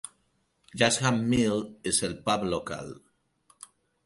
Yaxham Mill és el pub local.